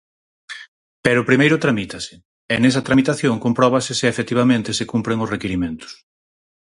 Pero primeiro tramítase, e nesa tramitación compróbase se efectivamente se cumpren os requirimentos.